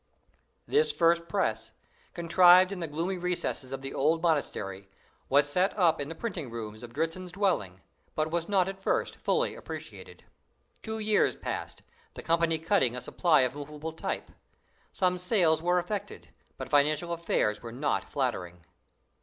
'" This first press, contrived in the gloomy recesses of the old monastery, was set up in the printing rooms of Dritzhn's dwelling, but was not at first fully appreciated. Two years passed, the company cutting a supply of movable type. Some sales were effected, but financial affairs were not flattering.